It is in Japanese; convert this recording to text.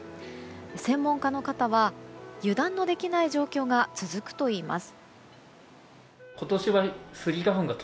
専門家の方は油断のできない状況が続くといいます。